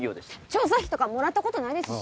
調査費とかもらったことないですし。